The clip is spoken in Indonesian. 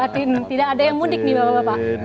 tidak ada yang mudik nih bapak bapak